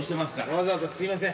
わざわざすみません。